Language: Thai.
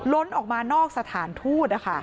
้นออกมานอกสถานทูต